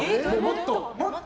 もっと。